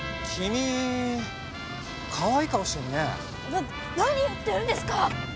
なっ何言ってるんですか！